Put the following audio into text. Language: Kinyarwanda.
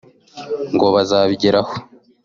ngo bazabigeraho